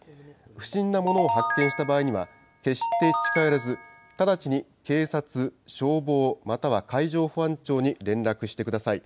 不審なものを発見した場合には、決して近寄らず、直ちに警察、消防、または海上保安庁に連絡してください。